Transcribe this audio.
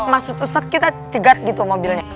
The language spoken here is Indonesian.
maksud ustadz kita cegat gitu mobilnya